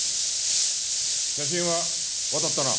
写真は渡ったな？